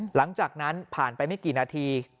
หลังจากนั้นผ่านไปไม่กี่นาที